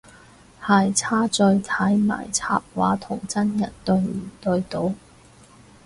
係差在睇埋插畫同真人對唔對到